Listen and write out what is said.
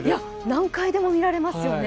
何回でも見られますね。